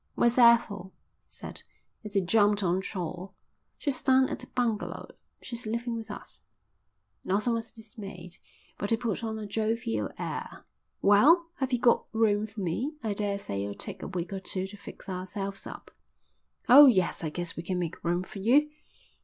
"Where's Ethel?" he said, as he jumped on shore. "She's down at the bungalow. She's living with us." Lawson was dismayed, but he put on a jovial air. "Well, have you got room for me? I daresay it'll take a week or two to fix ourselves up." "Oh, yes, I guess we can make room for you."